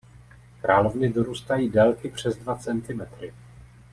Královny dorůstají délky přes dva centimetry.